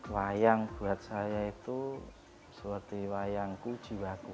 wayang buat saya itu seperti wayang ku jiwaku